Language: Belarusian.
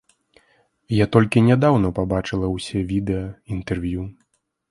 Я толькі нядаўна пабачыла ўсе відэа, інтэрв'ю.